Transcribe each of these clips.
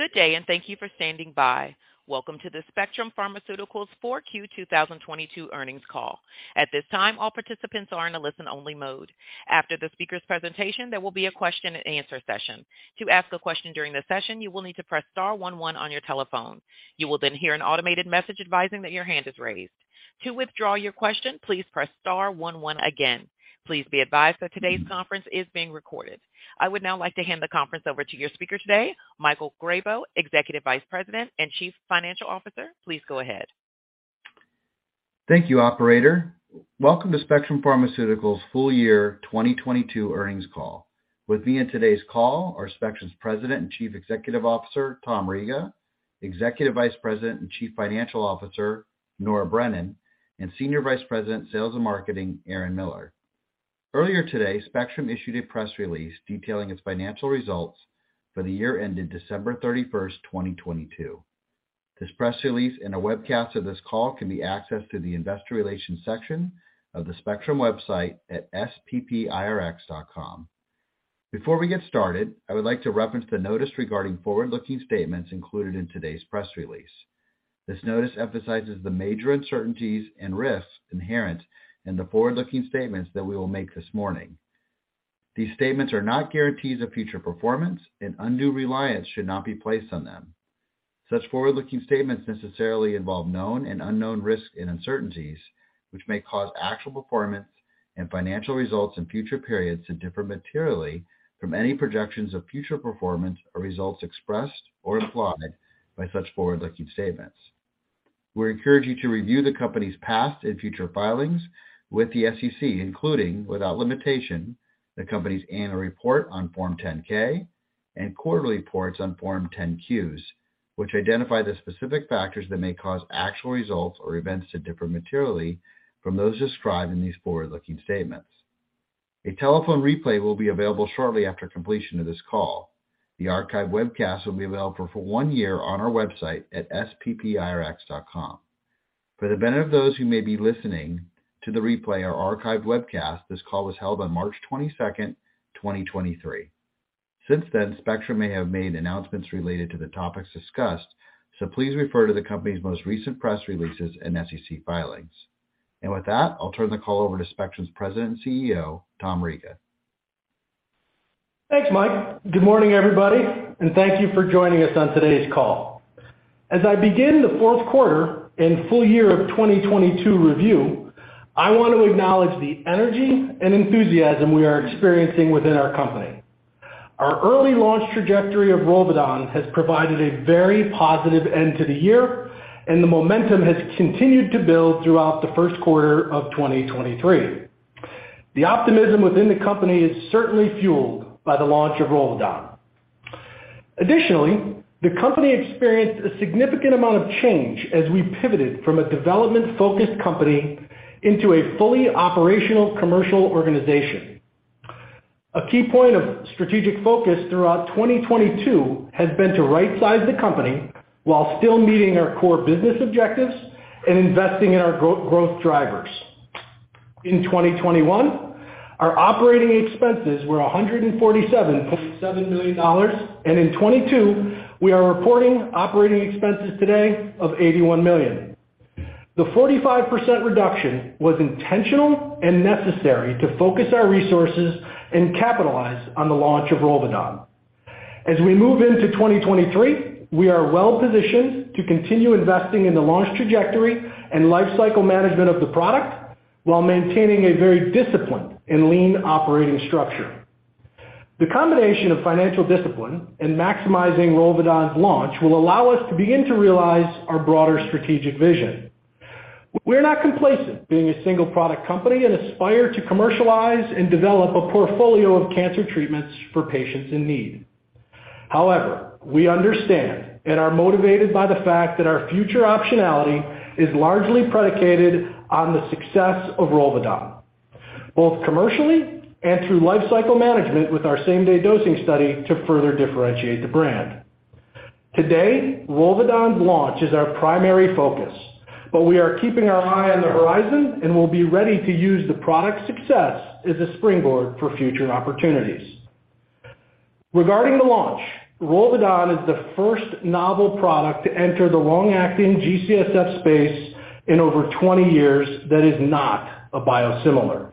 Good day, and thank you for standing by. Welcome to the Spectrum Pharmaceuticals 4Q 2022 earnings call. At this time, all participants are in a listen only mode. After the speaker's presentation, there will be a question and answer session. To ask a question during the session, you will need to press star, one, one on your telephone. You will then hear an automated message advising that your hand is raised. To withdraw your question, please press star, one, one again. Please be advised that today's conference is being recorded. I would now like to hand the conference over to your speaker today, Michael Grabow, Executive Vice President and Chief Financial Officer. Please go ahead. Thank you, operator. Welcome to Spectrum Pharmaceuticals full year 2022 earnings call. With me in today's call are Spectrum's President and Chief Executive Officer, Tom Riga, Executive Vice President and Chief Financial Officer, Nora Brennan, and Senior Vice President, Sales and Marketing, Erin Miller. Earlier today, Spectrum issued a press release detailing its financial results for the year ended December 31st, 2022. This press release and a webcast of this call can be accessed through the investor relations section of the Spectrum website at sppirx.com. Before we get started, I would like to reference the notice regarding forward-looking statements included in today's press release. This notice emphasizes the major uncertainties and risks inherent in the forward-looking statements that we will make this morning. These statements are not guarantees of future performance, and undue reliance should not be placed on them. Such forward-looking statements necessarily involve known and unknown risks and uncertainties which may cause actual performance and financial results in future periods to differ materially from any projections of future performance or results expressed or implied by such forward-looking statements. We encourage you to review the company's past and future filings with the SEC, including, without limitation, the company's annual report on Form 10-K and quarterly reports on Form 10-Qs, which identify the specific factors that may cause actual results or events to differ materially from those described in these forward-looking statements. A telephone replay will be available shortly after completion of this call. The archived webcast will be available for one year on our website at sppirx.com. For the benefit of those who may be listening to the replay or archived webcast, this call was held on March twenty-second, 2023. Since then, Spectrum may have made announcements related to the topics discussed, so please refer to the company's most recent press releases and SEC filings. With that, I'll turn the call over to Spectrum's President and CEO, Tom Riga. Thanks, Mike. Good morning, everybody, and thank you for joining us on today's call. As I begin the fourth quarter and full year of 2022 review, I want to acknowledge the energy and enthusiasm we are experiencing within our company. Our early launch trajectory of ROLVEDON has provided a very positive end to the year, and the momentum has continued to build throughout the first quarter of 2023. The optimism within the company is certainly fueled by the launch of ROLVEDON. Additionally, the company experienced a significant amount of change as we pivoted from a development-focused company into a fully operational commercial organization. A key point of strategic focus throughout 2022 has been to right size the company while still meeting our core business objectives and investing in our growth drivers. In 2021, our operating expenses were $147.7 million. In 2022 we are reporting operating expenses today of $81 million. The 45% reduction was intentional and necessary to focus our resources and capitalize on the launch of ROLVEDON. As we move into 2023, we are well-positioned to continue investing in the launch trajectory and lifecycle management of the product while maintaining a very disciplined and lean operating structure. The combination of financial discipline and maximizing ROLVEDON's launch will allow us to begin to realize our broader strategic vision. We're not complacent being a single product company and aspire to commercialize and develop a portfolio of cancer treatments for patients in need. However, we understand and are motivated by the fact that our future optionality is largely predicated on the success of ROLVEDON, both commercially and through lifecycle management with our same-day dosing study to further differentiate the brand. Today, ROLVEDON's launch is our primary focus, but we are keeping our eye on the horizon and will be ready to use the product's success as a springboard for future opportunities. Regarding the launch, ROLVEDON is the first novel product to enter the long-acting G-CSF space in over 20 years that is not a biosimilar.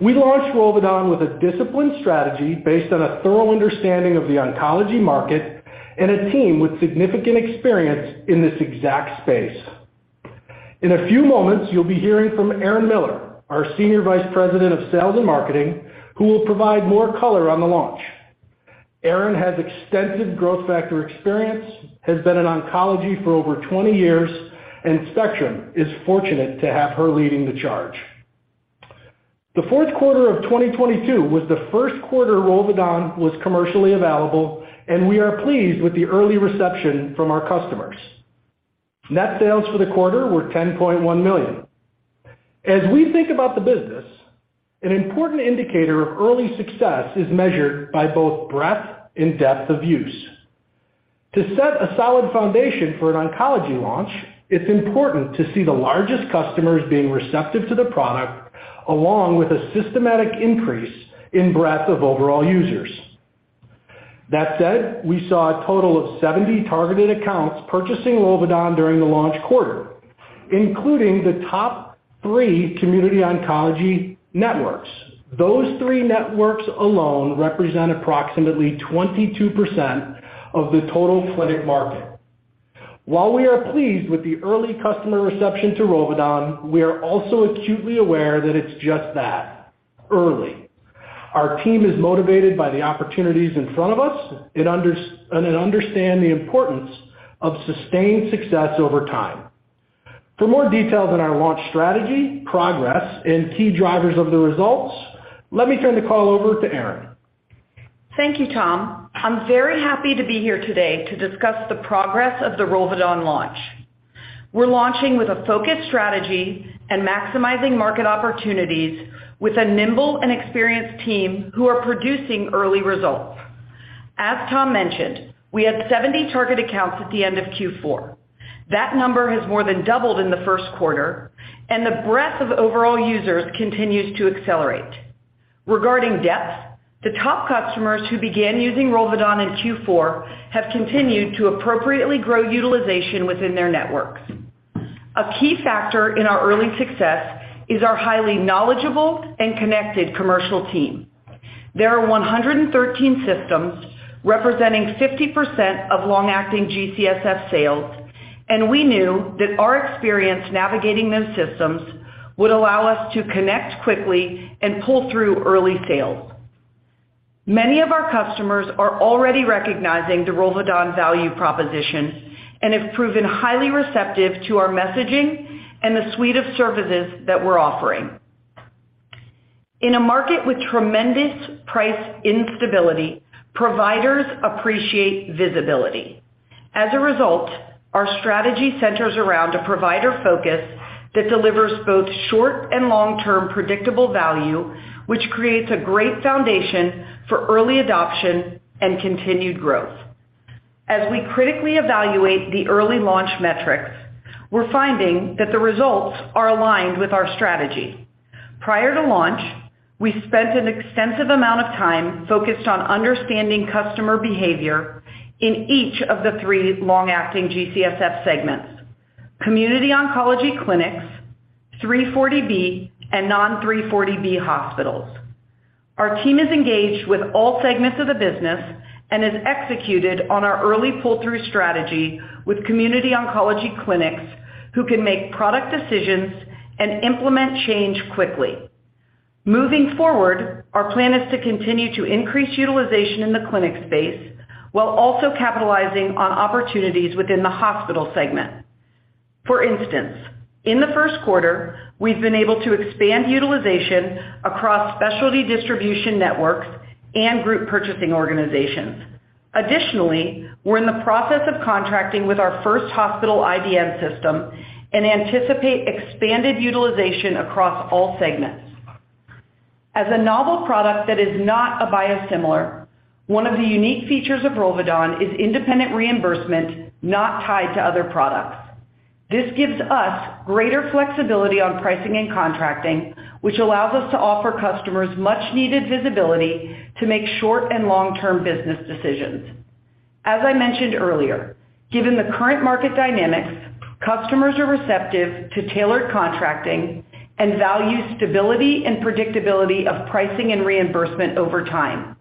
We launched ROLVEDON with a disciplined strategy based on a thorough understanding of the oncology market and a team with significant experience in this exact space. In a few moments, you'll be hearing from Erin Miller, our Senior Vice President of Sales and Marketing, who will provide more color on the launch. Erin has extensive growth factor experience, has been in oncology for over 20 years. Spectrum is fortunate to have her leading the charge. The fourth quarter of 2022 was the first quarter ROLVEDON was commercially available. We are pleased with the early reception from our customers. Net sales for the quarter were $10.1 million. We think about the business, an important indicator of early success is measured by both breadth and depth of use. To set a solid foundation for an oncology launch, it's important to see the largest customers being receptive to the product. Along with a systematic increase in breadth of overall users. That said, we saw a total of 70 targeted accounts purchasing ROLVEDON during the launch quarter, including the top three community oncology networks. Those three networks alone represent approximately 22% of the total clinic market. While we are pleased with the early customer reception to ROLVEDON, we are also acutely aware that it's just that, early. Our team is motivated by the opportunities in front of us and understand the importance of sustained success over time. For more details on our launch strategy, progress, and key drivers of the results, let me turn the call over to Erin. Thank you, Tom. I'm very happy to be here today to discuss the progress of the ROLVEDON launch. We're launching with a focused strategy and maximizing market opportunities with a nimble and experienced team who are producing early results. As Tom mentioned, we had 70 target accounts at the end of Q4. That number has more than doubled in the first quarter, and the breadth of overall users continues to accelerate. Regarding depth, the top customers who began using ROLVEDON in Q4 have continued to appropriately grow utilization within their networks. A key factor in our early success is our highly knowledgeable and connected commercial team. There are 113 systems representing 50% of long-acting G-CSF sales, and we knew that our experience navigating those systems would allow us to connect quickly and pull through early sales. Many of our customers are already recognizing the ROLVEDON value proposition and have proven highly receptive to our messaging and the suite of services that we're offering. In a market with tremendous price instability, providers appreciate visibility. As a result, our strategy centers around a provider focus that delivers both short and long-term predictable value, which creates a great foundation for early adoption and continued growth. As we critically evaluate the early launch metrics, we're finding that the results are aligned with our strategy. Prior to launch, we spent an extensive amount of time focused on understanding customer behavior in each of the 3 long-acting G-CSF segments: community oncology clinics, 340B, and non-340B hospitals. Our team is engaged with all segments of the business and has executed on our early pull-through strategy with community oncology clinics who can make product decisions and implement change quickly. Moving forward, our plan is to continue to increase utilization in the clinic space while also capitalizing on opportunities within the hospital segment. For instance, in the first quarter, we've been able to expand utilization across specialty distribution networks and group purchasing organizations. Additionally, we're in the process of contracting with our first hospital IDN system and anticipate expanded utilization across all segments. As a novel product that is not a biosimilar, one of the unique features of ROLVEDON is independent reimbursement not tied to other products. This gives us greater flexibility on pricing and contracting, which allows us to offer customers much-needed visibility to make short and long-term business decisions. As I mentioned earlier, given the current market dynamics, customers are receptive to tailored contracting and value stability and predictability of pricing and reimbursement over time.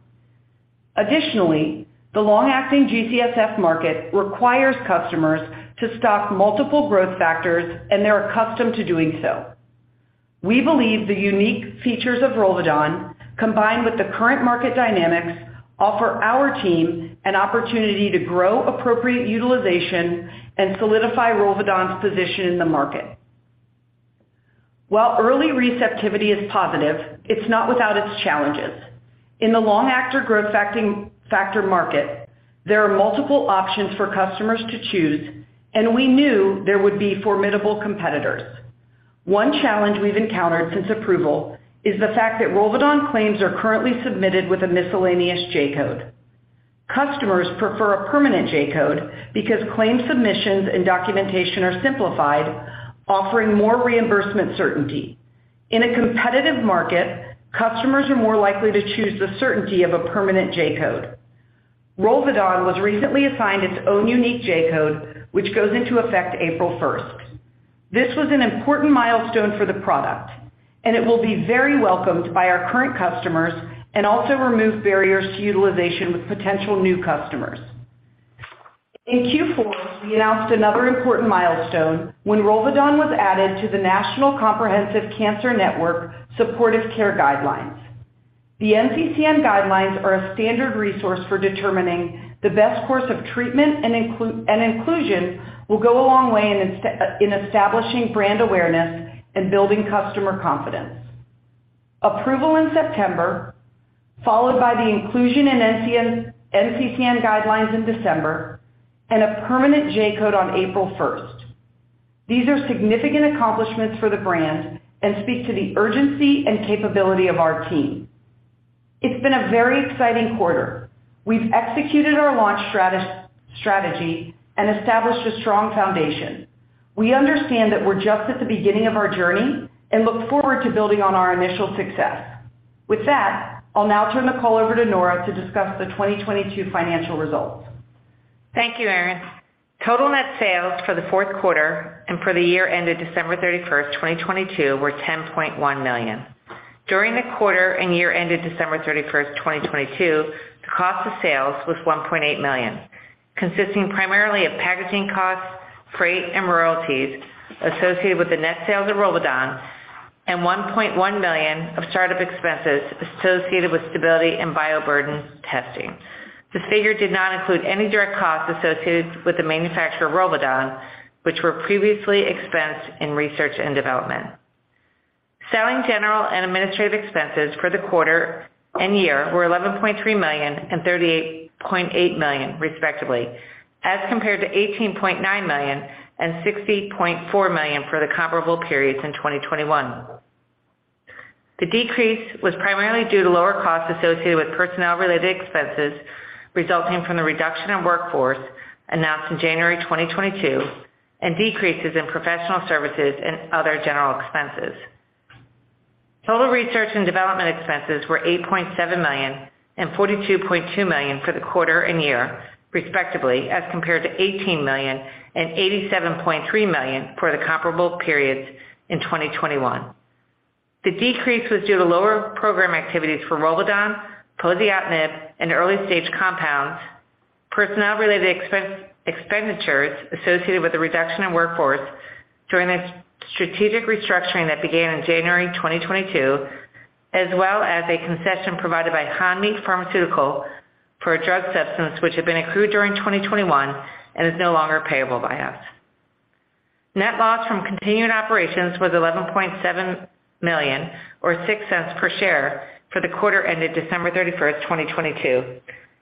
Additionally, the long-acting G-CSF market requires customers to stock multiple growth factors, and they're accustomed to doing so. We believe the unique features of ROLVEDON, combined with the current market dynamics, offer our team an opportunity to grow appropriate utilization and solidify ROLVEDON's position in the market. While early receptivity is positive, it's not without its challenges. In the long-acting growth factor market, there are multiple options for customers to choose, and we knew there would be formidable competitors. One challenge we've encountered since approval is the fact that ROLVEDON claims are currently submitted with a miscellaneous J-code. Customers prefer a permanent J-code because claim submissions and documentation are simplified, offering more reimbursement certainty. In a competitive market, customers are more likely to choose the certainty of a permanent J-code. ROLVEDON was recently assigned its own unique J-code, which goes into effect April 1st. This was an important milestone for the product, it will be very welcomed by our current customers and also remove barriers to utilization with potential new customers. In Q4, we announced another important milestone when ROLVEDON was added to the National Comprehensive Cancer Network supportive care guidelines. The NCCN guidelines are a standard resource for determining the best course of treatment, and inclusion will go a long way in establishing brand awareness and building customer confidence. Approval in September, followed by the inclusion in NCCN guidelines in December, and a permanent J-code on April first. These are significant accomplishments for the brand and speak to the urgency and capability of our team. It's been a very exciting quarter. We've executed our launch strategy and established a strong foundation. We understand that we're just at the beginning of our journey and look forward to building on our initial success. With that, I'll now turn the call over to Nora to discuss the 2022 financial results. Thank you, Erin. Total net sales for the fourth quarter and for the year ended December 31st, 2022 were $10.1 million. During the quarter and year ended December 31st, 2022, the cost of sales was $1.8 million, consisting primarily of packaging costs, freight, and royalties associated with the net sales of ROLVEDON and $1.1 million of startup expenses associated with stability and bioburden testing. This figure did not include any direct costs associated with the manufacture of ROLVEDON, which were previously expensed in research and development. Selling, general and administrative expenses for the quarter and year were $11.3 million and $38.8 million, respectively, as compared to $18.9 million and $60.4 million for the comparable periods in 2021. The decrease was primarily due to lower costs associated with personnel-related expenses resulting from the reduction in workforce announced in January 2022 and decreases in professional services and other general expenses. Total research and development expenses were $8.7 million and $42.2 million for the quarter and year, respectively, as compared to $18 million and $87.3 million for the comparable periods in 2021. The decrease was due to lower program activities for ROLVEDON, poziotinib and early-stage compounds, personnel-related expenditures associated with the reduction in workforce during the strategic restructuring that began in January 2022, as well as a concession provided by Hanmi Pharmaceutical for a drug substance which had been accrued during 2021 and is no longer payable by us. Net loss from continuing operations was $11.7 million or $0.06 per share for the quarter ended December 31, 2022,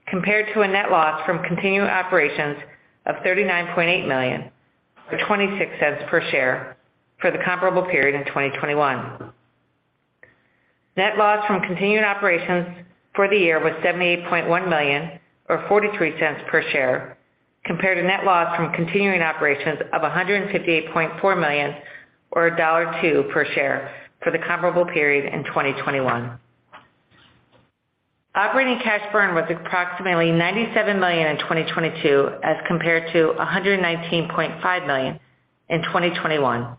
compared to a net loss from continuing operations of $39.8 million, or $0.26 per share for the comparable period in 2021. Net loss from continuing operations for the year was $78.1 million or $0.43 per share, compared to net loss from continuing operations of $158.4 million or $1.02 per share for the comparable period in 2021. Operating cash burn was approximately $97 million in 2022 as compared to $119.5 million in 2021.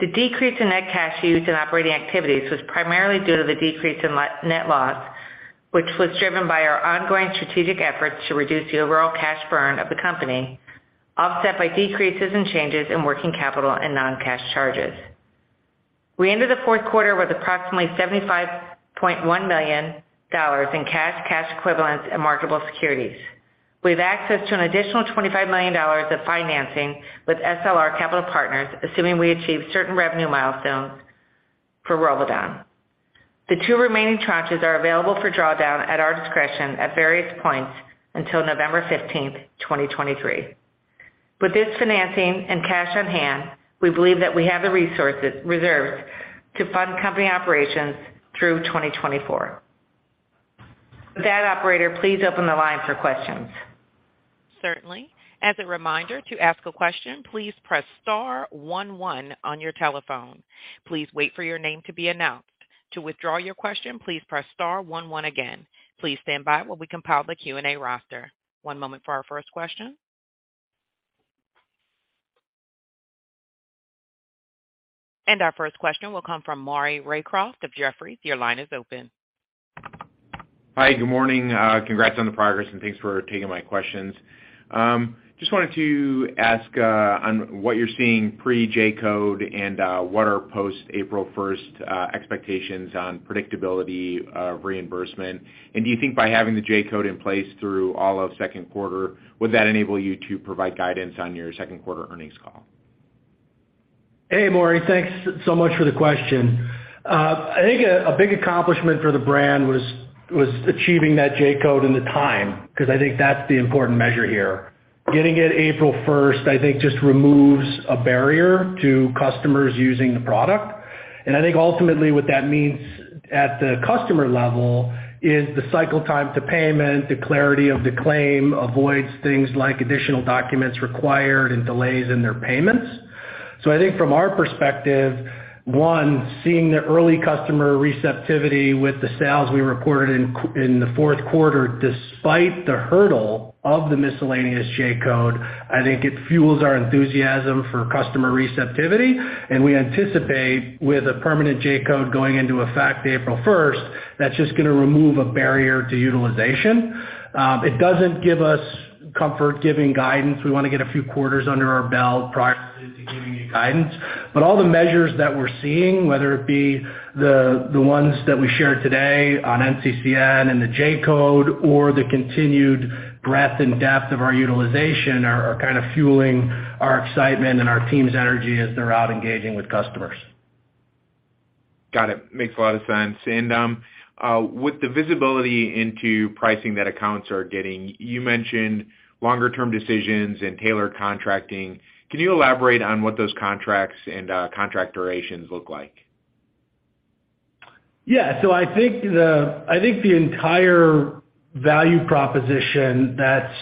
The decrease in net cash used in operating activities was primarily due to the decrease in net loss, which was driven by our ongoing strategic efforts to reduce the overall cash burn of the company, offset by decreases in changes in working capital and non-cash charges. We ended the fourth quarter with approximately $75.1 million in cash equivalents and marketable securities. We have access to an additional $25 million of financing with SLR Capital Partners, assuming we achieve certain revenue milestones for ROLVEDON. The two remaining tranches are available for drawdown at our discretion at various points until November 15, 2023. With this financing and cash on hand, we believe that we have the reserves to fund company operations through 2024. Operator, please open the line for questions. Certainly. As a reminder to ask a question, please press star, one one on your telephone. Please wait for your name to be announced. To withdraw your question, please press star, one, one again. Please stand by while we compile the Q&A roster. One moment for our first question. Our first question will come from Maury Raycroft of Jefferies. Your line is open. Hi, good morning. Congrats on the progress and thanks for taking my questions. Just wanted to ask on what you're seeing pre J-code and what are post April 1st expectations on predictability of reimbursement. Do you think by having the J-code in place through all of 2nd quarter, would that enable you to provide guidance on your 2nd quarter earnings call? Hey, Maury. Thanks so much for the question. I think a big accomplishment for the brand was achieving that J-code in the time, because I think that's the important measure here. Getting it April 1st, I think, just removes a barrier to customers using the product. I think ultimately what that means at the customer level is the cycle time to payment, the clarity of the claim avoids things like additional documents required and delays in their payments. I think from our perspective, one, seeing the early customer receptivity with the sales we reported in the 4th quarter despite the hurdle of the miscellaneous J-code, I think it fuels our enthusiasm for customer receptivity. We anticipate with a permanent J-code going into effect April 1st, that's just gonna remove a barrier to utilization. It doesn't give us comfort giving guidance. We wanna get a few quarters under our belt prior to giving you guidance. All the measures that we're seeing, whether it be the ones that we shared today on NCCN and the J-code or the continued breadth and depth of our utilization are kind of fueling our excitement and our team's energy as they're out engaging with customers. Got it. Makes a lot of sense. With the visibility into pricing that accounts are getting, you mentioned longer-term decisions and tailored contracting. Can you elaborate on what those contracts and contract durations look like? I think the entire value proposition that's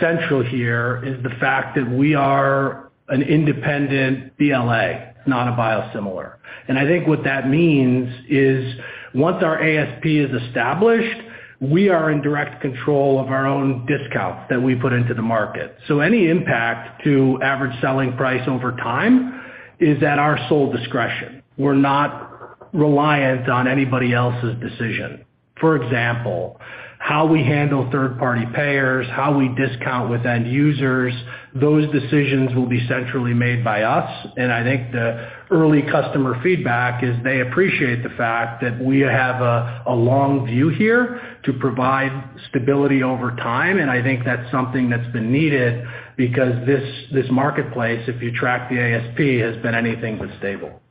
central here is the fact that we are an independent BLA, not a biosimilar. I think what that means is once our ASP is established, we are in direct control of our own discounts that we put into the market. Any impact to average selling price over time is at our sole discretion. We're not reliant on anybody else's decision. For example, how we handle third-party payers, how we discount with end users, those decisions will be centrally made by us. I think the early customer feedback is they appreciate the fact that we have a long view here to provide stability over time. I think that's something that's been needed because this marketplace, if you track the ASP, has been anything but stable.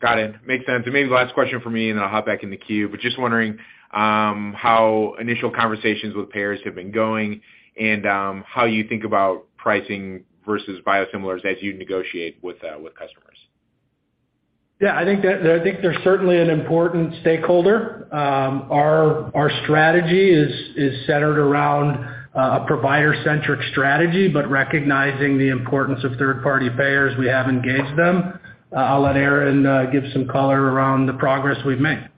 Got it. Makes sense. Maybe the last question from me, and then I'll hop back in the queue. Just wondering, how initial conversations with payers have been going and how you think about pricing versus biosimilars as you negotiate with customers. Yeah, I think that, I think they're certainly an important stakeholder. Our, our strategy is centered around, a provider-centric strategy, but recognizing the importance of third-party payers, we have engaged them. I'll let Erin, give some color around the progress we've made.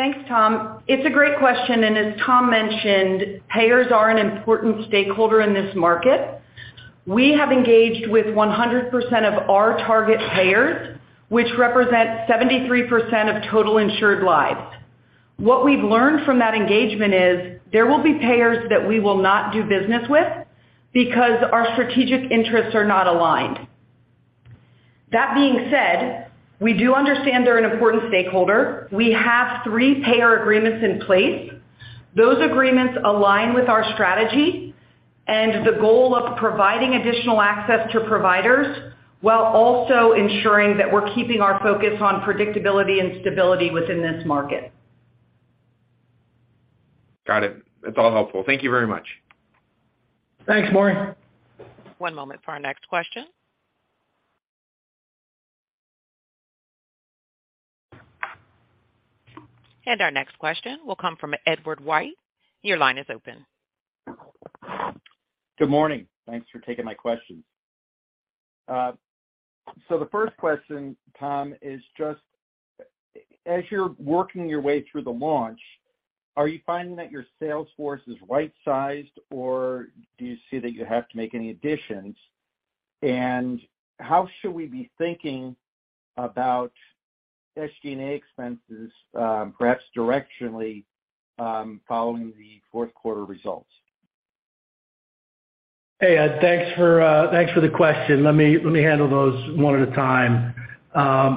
Thanks, Tom. It's a great question. As Tom mentioned, payers are an important stakeholder in this market. We have engaged with 100% of our target payers, which represent 73% of total insured lives. What we've learned from that engagement is there will be payers that we will not do business with because our strategic interests are not aligned. That being said, we do understand they're an important stakeholder. We have three payer agreements in place. Those agreements align with our strategy and the goal of providing additional access to providers while also ensuring that we're keeping our focus on predictability and stability within this market. Got it. That's all helpful. Thank you very much. Thanks, Maury. One moment for our next question. Our next question will come from Edward White. Your line is open. Good morning. Thanks for taking my questions. So the first question, Tom, is just as you're working your way through the launch, are you finding that your sales force is right-sized, or do you see that you have to make any additions? How should we be thinking about SG&A expenses, perhaps directionally, following the fourth quarter results? Hey, Ed. Thanks for the question. Let me handle those one at a time.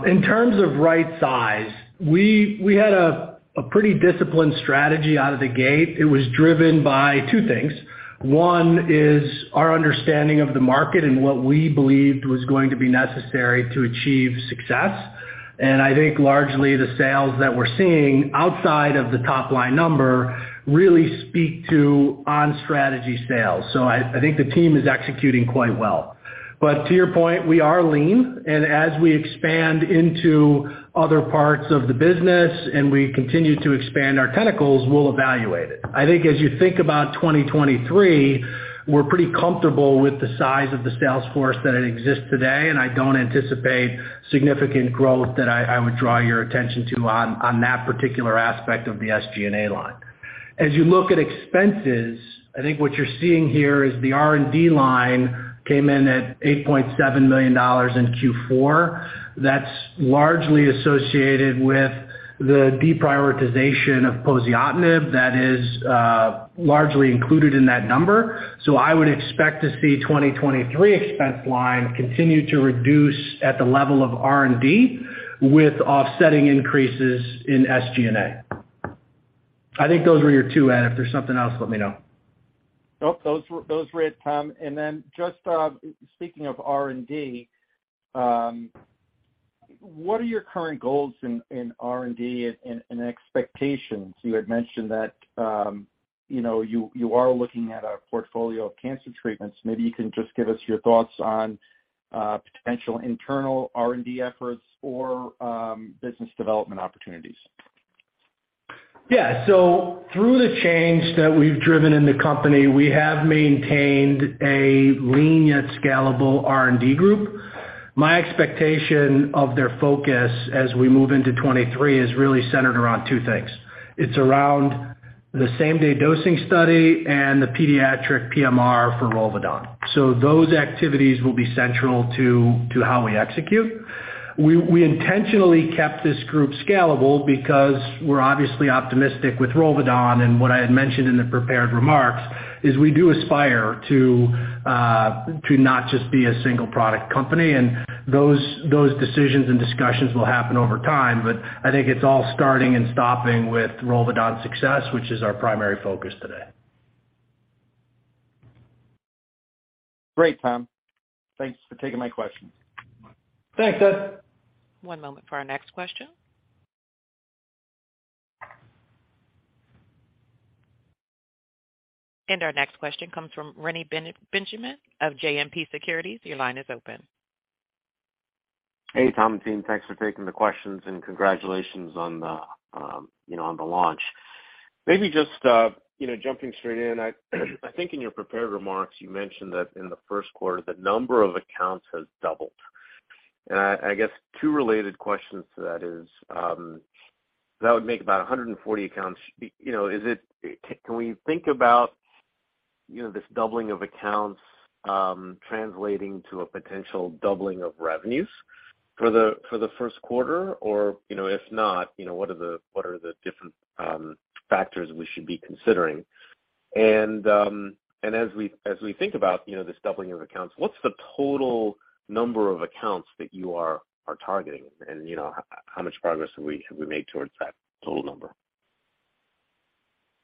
In terms of right size, we had a pretty disciplined strategy out of the gate. It was driven by two things. One is our understanding of the market and what we believed was going to be necessary to achieve success. I think largely the sales that we're seeing outside of the top-line number really speak to on strategy sales. I think the team is executing quite well. To your point, we are lean, and as we expand into other parts of the business and we continue to expand our tentacles, we'll evaluate it. I think as you think about 2023, we're pretty comfortable with the size of the sales force that it exists today, and I don't anticipate significant growth that I would draw your attention to on that particular aspect of the SG&A line. As you look at expenses, I think what you're seeing here is the R&D line came in at $8.7 million in Q4. That's largely associated with the deprioritization of poziotinib. That is largely included in that number. I would expect to see 2023 expense line continue to reduce at the level of R&D with offsetting increases in SG&A. I think those were your two, Ed. If there's something else, let me know. Nope. Those were it, Tom. Then just speaking of R&D, what are your current goals in R&D and expectations? You had mentioned that, you know, you are looking at a portfolio of cancer treatments. Maybe you can just give us your thoughts on potential internal R&D efforts or business development opportunities. Through the change that we've driven in the company, we have maintained a lean yet scalable R&D group. My expectation of their focus as we move into 2023 is really centered around 2 things. It's around the same-day dosing study and the pediatric PMR for ROLVEDON. Those activities will be central to how we execute. We intentionally kept this group scalable because we're obviously optimistic with ROLVEDON, and what I had mentioned in the prepared remarks is we do aspire to not just be a single product company. Those decisions and discussions will happen over time. I think it's all starting and stopping with ROLVEDON's success, which is our primary focus today. Great, Tom. Thanks for taking my questions. Thanks, Ed. One moment for our next question. Our next question comes from Reni Benjamin of JMP Securities. Your line is open. Hey, Tom and team, thanks for taking the questions and congratulations on the, you know, on the launch. Maybe just, you know, jumping straight in, I think in your prepared remarks, you mentioned that in the first quarter, the number of accounts has doubled. I guess two related questions to that is, that would make about 140 accounts. You know, is it, can we think about, you know, this doubling of accounts, translating to a potential doubling of revenues for the, for the first quarter? If not, you know, what are the, what are the different factors we should be considering? As we, as we think about, you know, this doubling of accounts, what's the total number of accounts that you are targeting? You know, how much progress have we made towards that total number?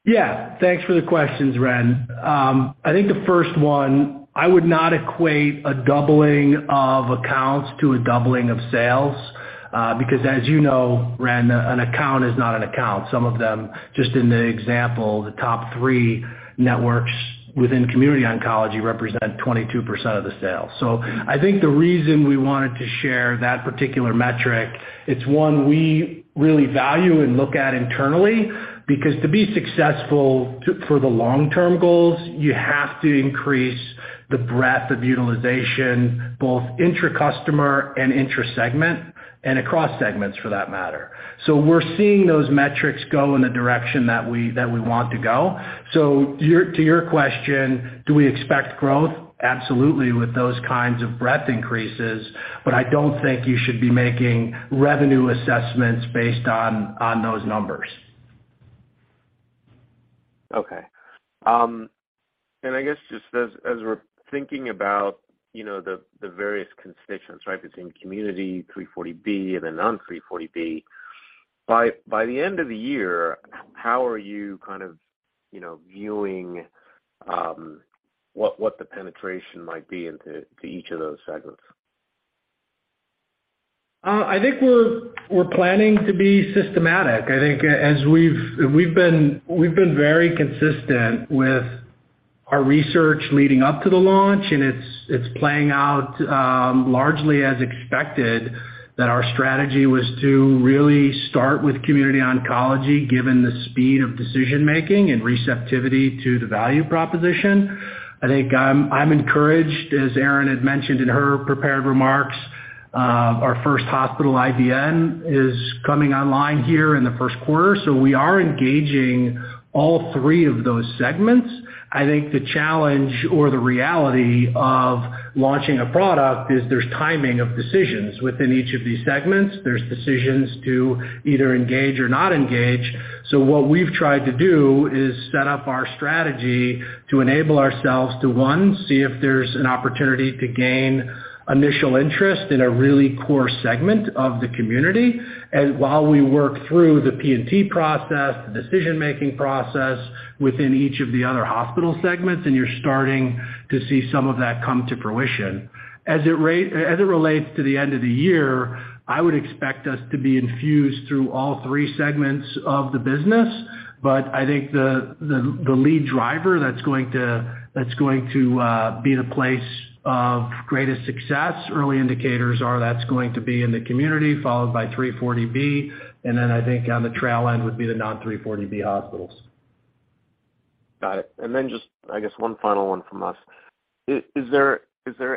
Yeah. Thanks for the questions, Ren. I think the first one, I would not equate a doubling of accounts to a doubling of sales, because as you know, Ren, an account is not an account. Some of them, just in the example, the top three networks within community oncology represent 22% of the sales. I think the reason we wanted to share that particular metric, it's one we really value and look at internally, because to be successful for the long-term goals, you have to increase the breadth of utilization, both intra-customer and intra-segment, and across segments for that matter. We're seeing those metrics go in the direction that we, that we want to go. To your question, do we expect growth? Absolutely, with those kinds of breadth increases. I don't think you should be making revenue assessments based on those numbers. Okay. I guess just as we're thinking about, you know, the various constituents, right, between community, 340B and the non-340B, by the end of the year, how are you kind of, you know, viewing, what the penetration might be into each of those segments? I think we're planning to be systematic. I think as we've been very consistent with our research leading up to the launch. It's playing out largely as expected that our strategy was to really start with community oncology given the speed of decision-making and receptivity to the value proposition. I think I'm encouraged, as Erin had mentioned in her prepared remarks, our first hospital, IDN, is coming online here in the first quarter. We are engaging all three of those segments. I think the challenge or the reality of launching a product is there's timing of decisions within each of these segments. There's decisions to either engage or not engage. What we've tried to do is set up our strategy to enable ourselves to, one, see if there's an opportunity to gain initial interest in a really core segment of the community, and while we work through the P&T process, the decision-making process within each of the other hospital segments, and you're starting to see some of that come to fruition. As it relates to the end of the year, I would expect us to be infused through all 3 segments of the business. I think the lead driver that's going to be the place of greatest success, early indicators are that's going to be in the community, followed by 340B, and then I think on the trail end would be the non-340B hospitals. Got it. Just, I guess one final one from us. Is there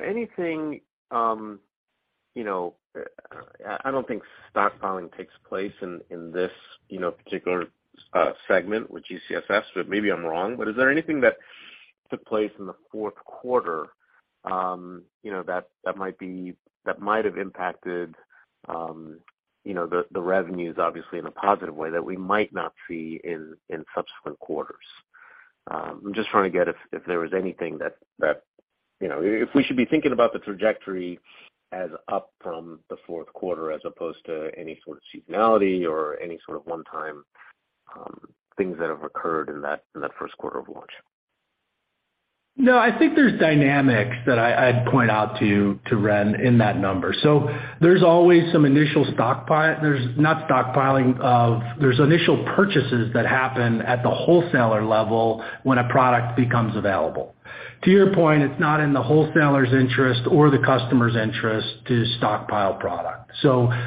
anything, you know, I don't think stockpiling takes place in this, you know, particular segment with G-CSF, but maybe I'm wrong. Is there anything that took place in the fourth quarter, you know, that might have impacted, you know, the revenues obviously in a positive way that we might not see in subsequent quarters? I'm just trying to get if there was anything that, you know. If we should be thinking about the trajectory as up from the fourth quarter as opposed to any sort of seasonality or any sort of one-time things that have occurred in that, in that first quarter of launch. No, I think there's dynamics that I'd point out to Ren in that number. There's always some initial purchases that happen at the wholesaler level when a product becomes available. To your point, it's not in the wholesaler's interest or the customer's interest to stockpile product.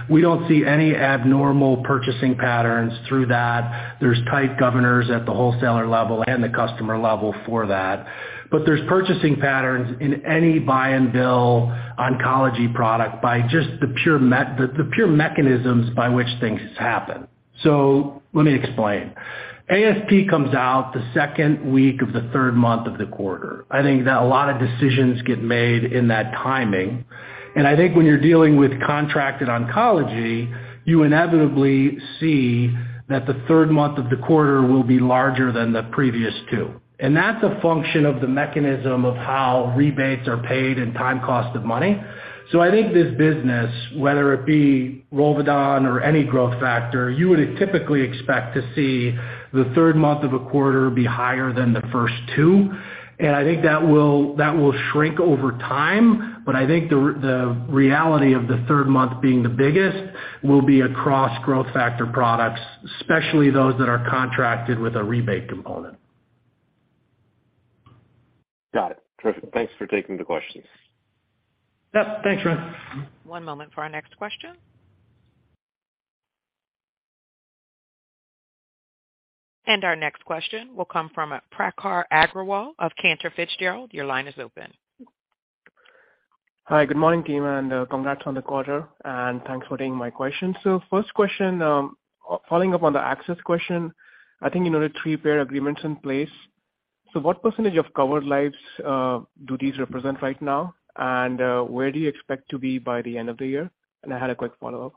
We don't see any abnormal purchasing patterns through that. There's tight governors at the wholesaler level and the customer level for that. There's purchasing patterns in any buy and bill oncology product by just the pure mechanisms by which things happen. Let me explain. ASP comes out the second week of the third month of the quarter. I think that a lot of decisions get made in that timing. I think when you're dealing with contracted oncology, you inevitably see that the third month of the quarter will be larger than the previous two. That's a function of the mechanism of how rebates are paid and time cost of money. I think this business, whether it be ROLVEDON or any growth factor, you would typically expect to see the third month of a quarter be higher than the first two. I think that will shrink over time, but I think the reality of the third month being the biggest will be across growth factor products, especially those that are contracted with a rebate component. Got it. Terrific. Thanks for taking the questions. Yeah, thanks, Reni. One moment for our next question. Our next question will come from Prakhar Agrawal of Cantor Fitzgerald. Your line is open. Hi. Good morning, team, and congrats on the quarter, and thanks for taking my question. First question, following up on the access question. I think you noted three payer agreements in place. What % of covered lives do these represent right now? Where do you expect to be by the end of the year? I had a quick follow-up.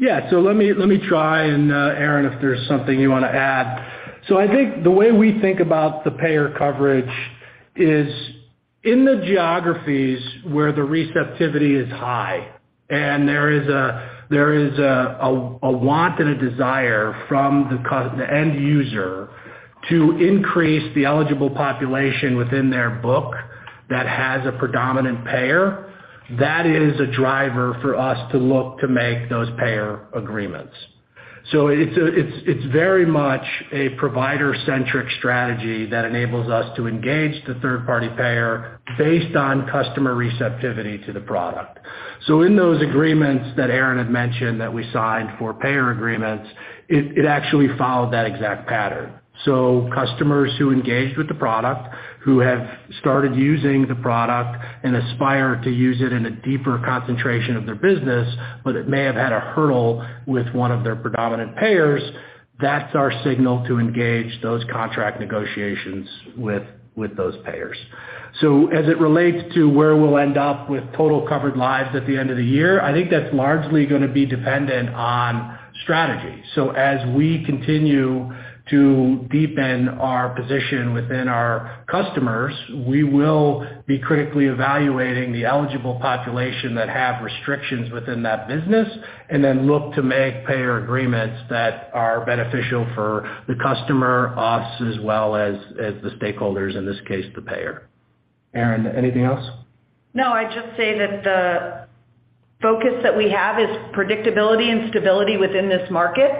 Let me try and Erin, if there's something you wanna add. I think the way we think about the payer coverage is in the geographies where the receptivity is high and there is a want and a desire from the end user to increase the eligible population within their book that has a predominant payer, that is a driver for us to look to make those payer agreements. It's very much a provider-centric strategy that enables us to engage the third-party payer based on customer receptivity to the product. In those agreements that Erin had mentioned that we signed for payer agreements, it actually followed that exact pattern. Customers who engaged with the product, who have started using the product and aspire to use it in a deeper concentration of their business, but it may have had a hurdle with one of their predominant payers, that's our signal to engage those contract negotiations with those payers. As it relates to where we'll end up with total covered lives at the end of the year, I think that's largely gonna be dependent on strategy. As we continue to deepen our position within our customers, we will be critically evaluating the eligible population that have restrictions within that business and then look to make payer agreements that are beneficial for the customer, us, as well as the stakeholders, in this case, the payer. Erin, anything else? I'd just say that the focus that we have is predictability and stability within this market.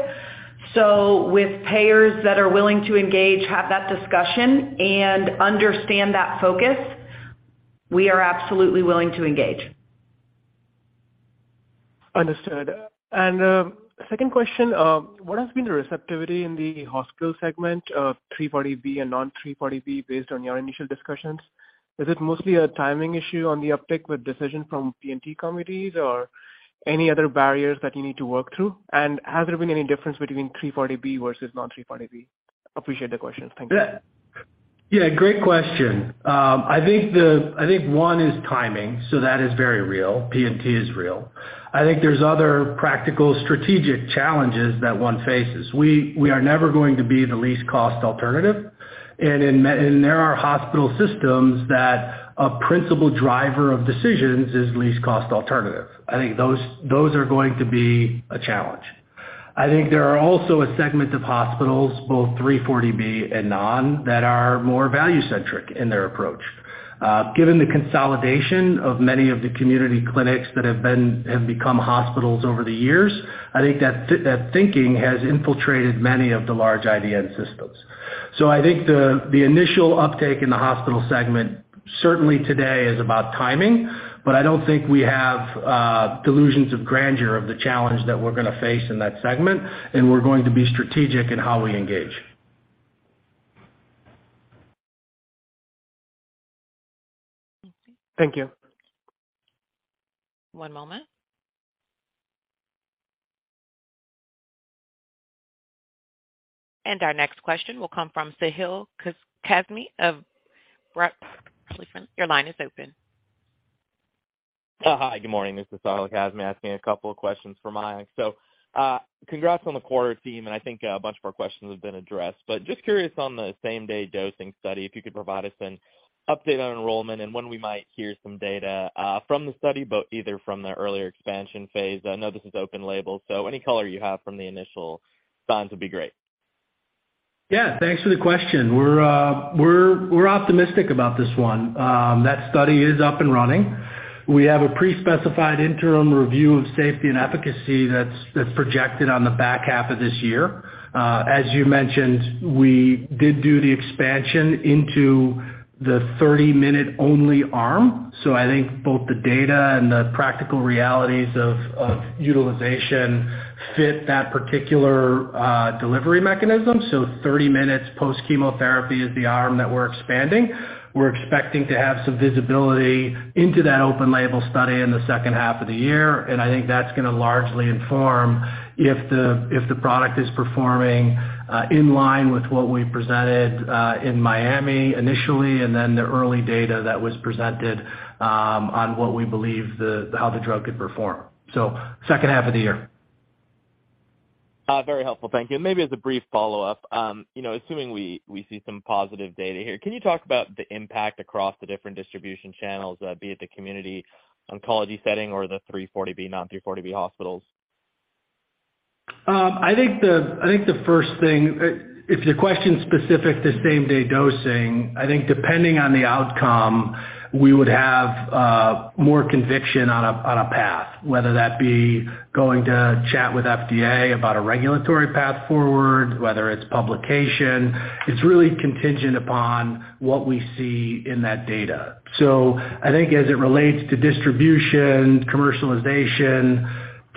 With payers that are willing to engage, have that discussion, and understand that focus, we are absolutely willing to engage. Understood. Second question, what has been the receptivity in the hospital segment of 340B and non-340B based on your initial discussions? Is it mostly a timing issue on the uptick with decision from P&T committees or any other barriers that you need to work through? Has there been any difference between 340B versus non-340B? Appreciate the questions. Thank you. Yeah, yeah, great question. I think one is timing, so that is very real. P&T is real. I think there's other practical strategic challenges that one faces. We are never going to be the least cost alternative. There are hospital systems that a principal driver of decisions is least cost alternative. I think those are going to be a challenge. I think there are also a segment of hospitals, both 340B and non, that are more value-centric in their approach. Given the consolidation of many of the community clinics that have become hospitals over the years, I think that thinking has infiltrated many of the large IDN systems. I think the initial uptake in the hospital segment certainly today is about timing, but I don't think we have delusions of grandeur of the challenge that we're gonna face in that segment, and we're going to be strategic in how we engage. Thank you. One moment. Our next question will come from Sahil Kazmi of Your line is open. Hi, good morning. This is Sahil Kazmi asking a couple of questions for Mayank. Congrats on the quarter team, and I think a bunch of our questions have been addressed. Just curious on the same-day dosing study, if you could provide us an update on enrollment and when we might hear some data from the study, but either from the earlier expansion phase. I know this is open label, any color you have from the initial signs would be great. Yeah. Thanks for the question. We're optimistic about this one. That study is up and running. We have a pre-specified interim review of safety and efficacy that's projected on the back half of this year. As you mentioned, we did do the expansion into the 30-minute only arm. I think both the data and the practical realities of utilization fit that particular delivery mechanism. 30 minutes post-chemotherapy is the arm that we're expanding. We're expecting to have some visibility into that open label study in the second half of the year. I think that's gonna largely inform if the product is performing in line with what we presented in Miami initially, then the early data that was presented on what we believe how the drug could perform. Second half of the year. Very helpful. Thank you. Maybe as a brief follow-up, you know, assuming we see some positive data here, can you talk about the impact across the different distribution channels, be it the community oncology setting or the 340B, non-340B hospitals? I think the first thing, if your question's specific to same-day dosing, I think depending on the outcome, we would have more conviction on a path, whether that be going to chat with FDA about a regulatory path forward, whether it's publication. It's really contingent upon what we see in that data. I think as it relates to distribution, commercialization,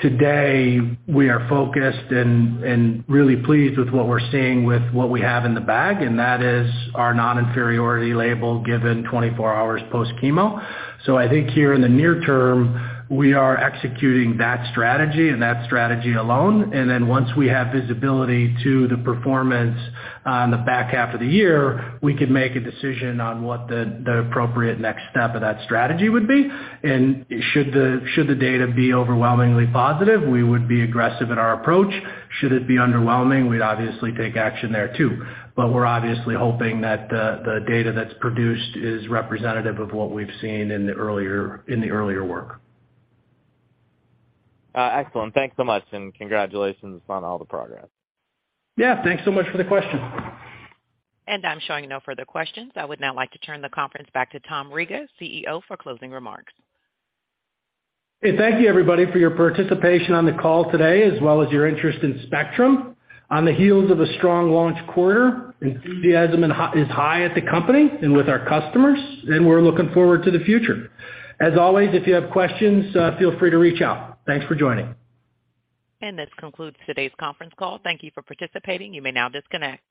today we are focused and really pleased with what we're seeing with what we have in the bag, and that is our non-inferiority label given 24 hours post-chemo. I think here in the near term, we are executing that strategy and that strategy alone. Once we have visibility to the performance on the back half of the year, we can make a decision on what the appropriate next step of that strategy would be. Should the data be overwhelmingly positive, we would be aggressive in our approach. Should it be underwhelming, we'd obviously take action there too. We're obviously hoping that the data that's produced is representative of what we've seen in the earlier work. Excellent. Thanks so much, and congratulations on all the progress. Yeah. Thanks so much for the question. I'm showing no further questions. I would now like to turn the conference back to Tom Riga, CEO, for closing remarks. Hey, thank you, everybody, for your participation on the call today, as well as your interest in Spectrum. On the heels of a strong launch quarter, enthusiasm is high at the company and with our customers, and we're looking forward to the future. As always, if you have questions, feel free to reach out. Thanks for joining. This concludes today's conference call. Thank you for participating. You may now disconnect.